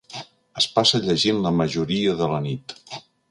Es passa llegint la majoria de la nit.